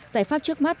giải pháp trước mắt